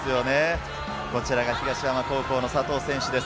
こちらが東山高校の佐藤選手です。